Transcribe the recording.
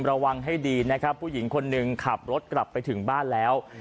ระวังให้ดีนะครับผู้หญิงคนหนึ่งขับรถกลับไปถึงบ้านแล้ว